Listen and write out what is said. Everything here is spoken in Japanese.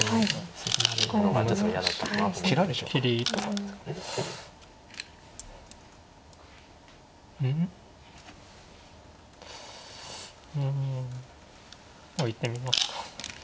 うん置いてみますか。